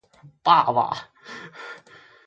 爸爸